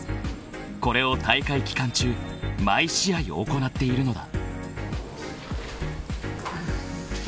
［これを大会期間中毎試合行っているのだ］